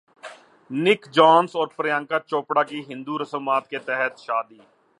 نک جونس اور پریانکا چوپڑا کی ہندو رسومات کے تحت شادی